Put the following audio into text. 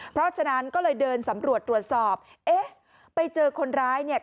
เพราะฉะนั้นก็เลยเดินสำรวจตรวจสอบเอ๊ะไปเจอคนร้ายเนี่ย